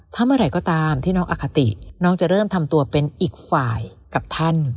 ถ้าเมื่อไหร่ก็ตามที่น้องอคติน้องจะเริ่มทำตัวเป็นอีกฝ่ายกับท่าน